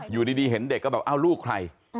อยู่ดีเห็นเด็กก็แบบเอ้าลูกใคร